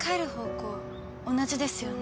同じですよね？